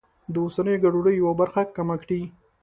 د اوسنیو ګډوډیو یوه برخه کمه کړي.